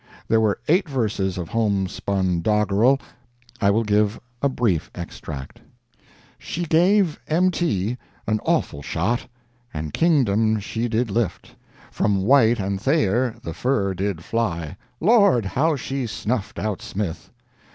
There were eight verses of home spun doggerel. I will give a brief extract: "She gave M. T. an awful shot, And Kingdom she did lift; From White and Thayer the fur did fly— Lord! how she snuffed out Smith!